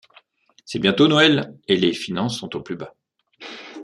C’est bientôt Noël et les finances sont au plus bas.